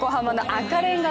赤レンガ？